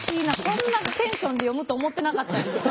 こんなテンションで読むと思ってなかったんで。